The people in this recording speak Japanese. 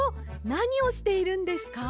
なにをしているんですか？